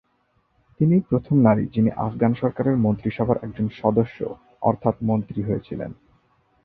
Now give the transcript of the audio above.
তিনিই প্রথম নারী যিনি আফগান সরকারের মন্ত্রীসভার একজন সদস্য অর্থাৎ মন্ত্রী হয়েছিলেন।